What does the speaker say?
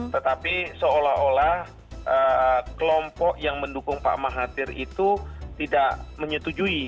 tetapi seolah olah kelompok yang mendukung pak mahathir itu tidak menyetujui